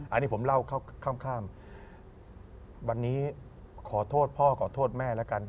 อันนี้ผมเล่าข้ามวันนี้ขอโทษพ่อขอโทษแม่แล้วกัน